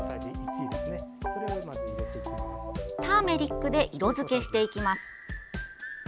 ターメリックで色づけしていきます。